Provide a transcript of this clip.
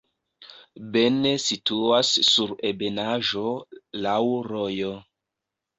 Bene situas sur ebenaĵo, laŭ rojo.